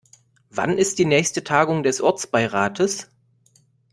Wann ist die nächste Tagung des Ortsbeirates?